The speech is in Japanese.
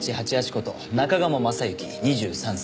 こと中鴨昌行２３歳。